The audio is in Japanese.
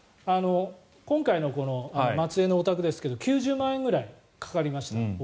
今回の松江のお宅ですが、お金が９０万円ぐらいかかりました。